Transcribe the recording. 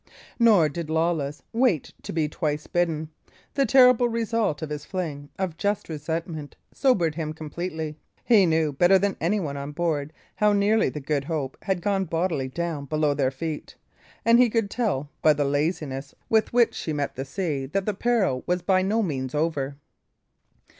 Nor did Lawless wait to be twice bidden. The terrible result of his fling of just resentment sobered him completely. He knew, better than any one on board, how nearly the Good Hope had gone bodily down below their feet; and he could tell, by the laziness with which she met the sea, that the peril was by no means over.